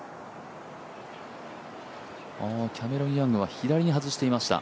キャメロン・ヤングは左に外していました。